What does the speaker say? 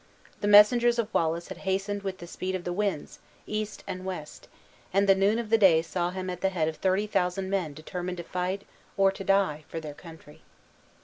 The messengers of Wallace had hastened with the speed of the winds, east and west; and the noon of the day saw him at the head of thirty thousand men determined to fight or to die for their country.